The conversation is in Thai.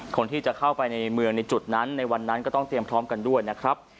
คนที่จะเข้าไปในเมืองในจุดนั้นในวันนั้นก็ต้องเตรียมพร้อมกันด้วยนะครับ